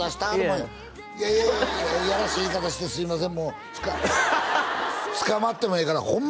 いやいやいやいやいやらしい言い方してすみません捕まってもええからホンマ